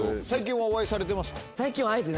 最近はお会いされてますか？